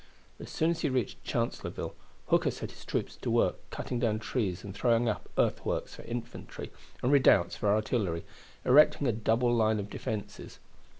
As soon as he reached Chancellorsville Hooker set his troops to work cutting down trees and throwing up earthworks for infantry and redoubts for artillery, erecting a double line of defenses.